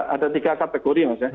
ada tiga kategori mas